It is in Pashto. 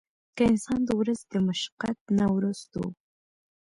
کۀ انسان د ورځې د مشقت نه وروستو